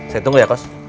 saya tunggu ya kos